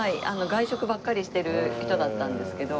外食ばっかりしてる人だったんですけど。